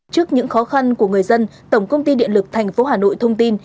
trước những khó khăn của người dân tổng công ty điện lực tp hà nội thông tin